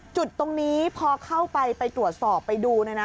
จุดตรงนี้พอเข้าไปไปตรวจสอบไปดูเนี่ยนะ